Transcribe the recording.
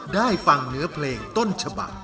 ได้ฟังเนื้อเพลงต้นฉบัก